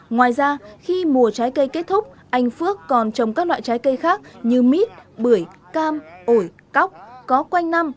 ngoài ra khi mùa trái cây kết thúc anh phước còn trồng các loại trái cây khác như mít bưởi cam ổi cóc có quanh năm